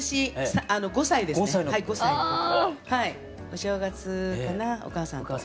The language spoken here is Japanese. お正月かなお母さんと。